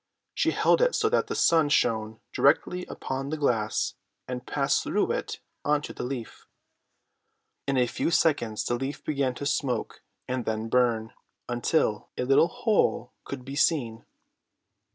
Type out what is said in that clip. She held it so that the sun shone directly upon the glass and passed through it onto the leaf. In a few seconds the leaf began to smoke, and then burn, until a little hole could be seen.